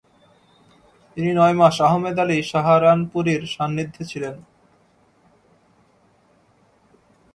তিনি নয় মাস আহমদ আলী সাহারানপুরির সান্নিধ্যে ছিলেন।